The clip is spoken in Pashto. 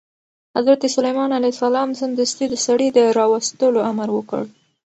حضرت سلیمان علیه السلام سمدستي د سړي د راوستلو امر وکړ.